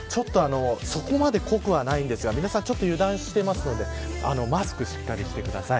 そこまで濃くはないですが皆さん、ちょっと油断してるのでマスクをしっかりしてください。